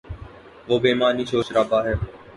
وہ بے معنی شور شرابہ ہے۔